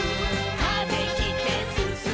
「風切ってすすもう」